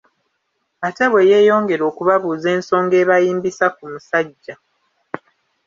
Ate bwe yeeyongera okubabuuza ensonga ebayimbisaa ku musajja